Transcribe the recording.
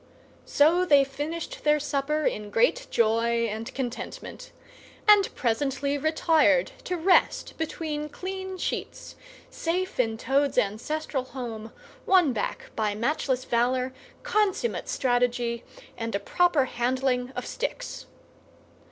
So they finished their supper in great joy and contentment, and presently retired to rest between clean sheets, safe in Toad's ancestral home, won back by matchless valour, consummate strategy, and a proper handling of sticks.